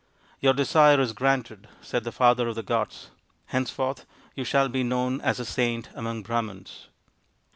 " Your desire is granted," said the father of the gods; " henceforth you shall be known as a Saint among Brahmans."